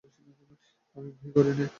আমি ভয় করি নে।